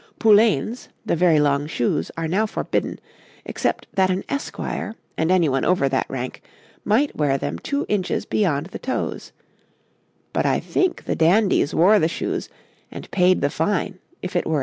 Poulaines, the very long shoes, are now forbidden, except that an esquire and anyone over that rank might wear them 2 inches beyond the toes; but I think the dandies wore the shoes and paid the fine if it were enforced.